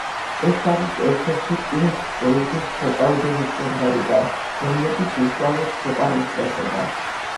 ეს არის ერთ-ერთი პინკ ფლოიდის ცოტაოდენი სიმღერიდან, რომლებიც უშუალოდ სიყვარულს ეხება.